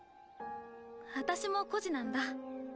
私も孤児なんだ。